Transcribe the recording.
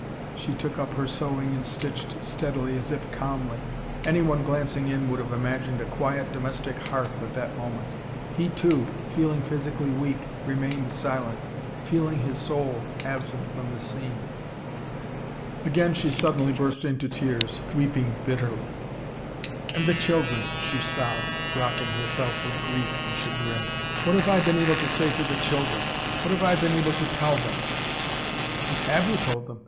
She took up her sewing, and stitched steadily, as if calmly. Anyone glancing in would have imagined a quiet domestic hearth at that moment. He, too, feeling physically weak, remained silent, feeling his soul absent from the scene. Again she suddenly burst into tears, weeping bitterly. "And the children," she sobbed, rocking herself with grief and chagrin. "What have I been able to say to the children what have I been able to tell them?" "What HAVE you told them?"